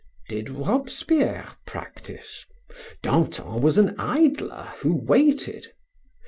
Did Robespierre practise? Danton was an idler who waited.